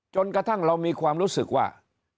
จนกระทั่งเรามีความรู้สึกว่า